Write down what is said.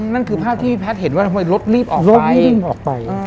นั่นคือภาพที่พี่แพทย์เห็นว่ารถรีบออกไป